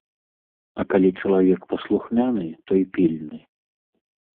А калі чалавек паслухмяны, то і пільны.